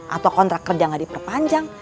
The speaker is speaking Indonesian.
atau kontrak kerja nggak diperpanjang